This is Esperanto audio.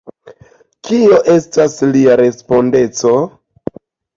Kio estas lia respondeco?